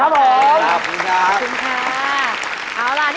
ครับผม